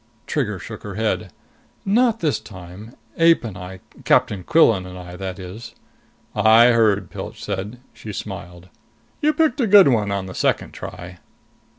Trigger shook her head. "Not this time. Ape and I Captain Quillan and I, that is " "I heard," Pilch said. She smiled. "You picked a good one on the second try!"